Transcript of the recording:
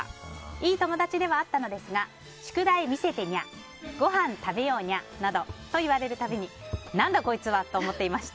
いい友達ではあったのですが宿題見せてにゃごはん食べようにゃなどと言われるたびに何だこいつはと思っていました。